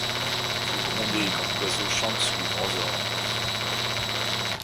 Vous grondez quand l’oiseau chante sous les grands ormes ;